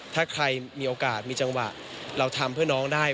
ถ้าใครมีโอกาสมีจังหวะเราทำเพื่อน้องได้